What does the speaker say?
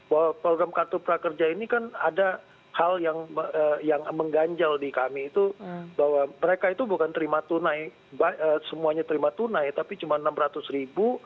bahwa program kartu prakerja ini kan ada hal yang mengganjal di kami itu bahwa mereka itu bukan terima tunai semuanya terima tunai tapi cuma rp enam ratus ribu